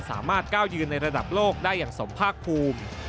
สามารถก้าวยืนในระดับโลกได้อย่างสมภาคภูมิ